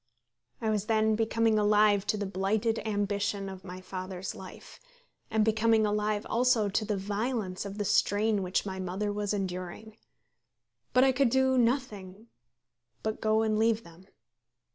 I was then becoming alive to the blighted ambition of my father's life, and becoming alive also to the violence of the strain which my mother was enduring. But I could do nothing but go and leave them.